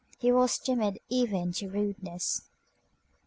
He was timid even to rudeness.